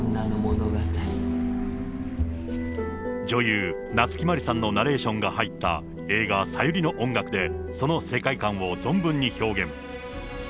女優、夏木マリさんのナレーションが入った映画、サユリの音楽で、その世界観を存分に表現。